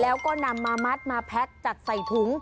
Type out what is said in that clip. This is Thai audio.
แล้วก็นำมามัดมาแพ็คจัดใส่ถุง